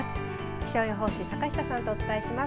気象予報士の坂下さんとお伝えします。